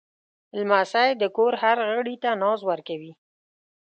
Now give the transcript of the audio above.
لمسی د کور هر غړي ته ناز ورکوي.